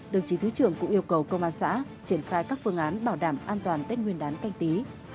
đồng chí thứ trưởng cũng yêu cầu công an xã triển khai các phương án bảo đảm an toàn tết nguyên đán canh tí hai nghìn hai mươi